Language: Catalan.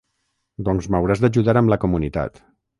Doncs m'hauràs d'ajudar amb la comunitat.